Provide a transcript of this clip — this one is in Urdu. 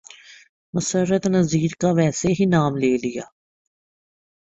مسرت نذیر کا ویسے ہی نام لے لیا۔